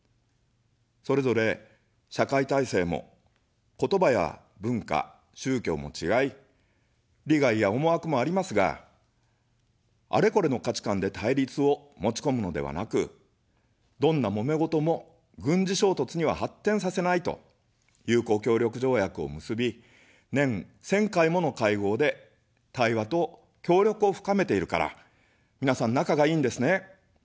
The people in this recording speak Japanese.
それぞれ社会体制も、言葉や文化、宗教も違い、利害や思惑もありますが、あれこれの価値観で対立を持ちこむのではなく、どんなもめごとも軍事衝突には発展させないと友好協力条約を結び、年１０００回もの会合で対話と協力を深めているから、みなさん仲がいいんですね。